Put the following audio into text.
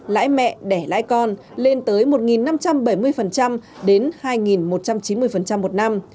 lãi mẹ đẻ lãi con lên tới một năm trăm bảy mươi đến hai một trăm chín mươi một năm